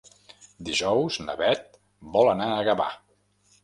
Dijous na Beth vol anar a Gavà.